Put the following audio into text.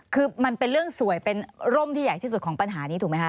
คือมันเป็นเรื่องสวยเป็นร่มที่ใหญ่ที่สุดของปัญหานี้ถูกไหมคะ